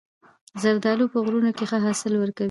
زردالو په غرونو کې ښه حاصل ورکوي.